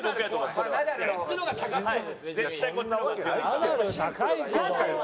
ナダル高いけど。